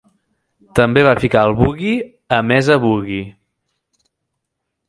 També va ficar el "Boogie" a Mesa Boogie.